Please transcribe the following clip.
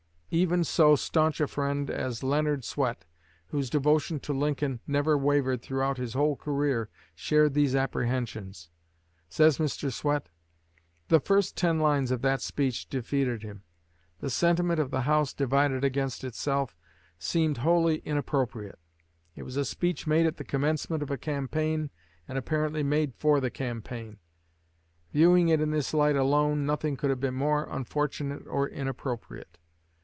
Even so stanch a friend as Leonard Swett, whose devotion to Lincoln never wavered throughout his whole career, shared these apprehensions. Says Mr. Swett: "The first ten lines of that speech defeated him. The sentiment of the 'house divided against itself' seemed wholly inappropriate. It was a speech made at the commencement of a campaign, and apparently made for the campaign. Viewing it in this light alone, nothing could have been more unfortunate or inappropriate.